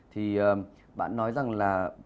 thì bạn nói rằng là